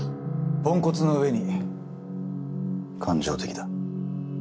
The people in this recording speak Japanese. ポンコツの上に感情的だ。